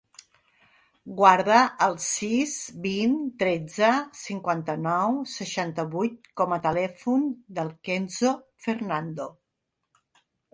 Guarda el sis, vint, tretze, cinquanta-nou, seixanta-vuit com a telèfon del Kenzo Fernando.